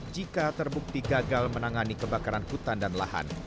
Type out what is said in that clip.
jika terbukti gagal menangani kebakaran hutan dan lahan